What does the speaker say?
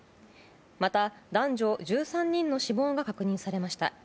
また、男女１３人の死亡が確認されました。